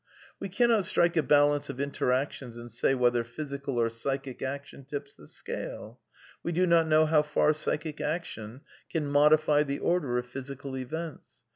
We cannot strike a balance of interactions and say whether physical or psychic action tips the scale. We do not know how far psychic action can modify the order of physical events.